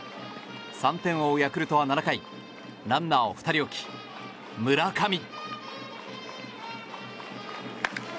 ３点を追うヤクルトは７回ランナーを２人置き、村上。